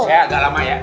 saya agak lama ya